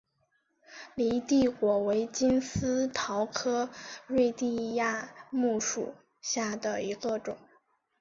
犁地果为金丝桃科瑞地亚木属下的一个种。